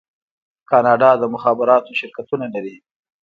کاناډا د مخابراتو شرکتونه لري.